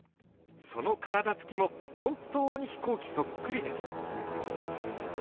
その体つきも本当に飛行機そっくりです。